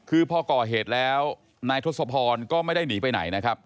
คือพอก่อเหตุแล้วนายทศพรก็ไม่ได้หนีไปไหนนะครับ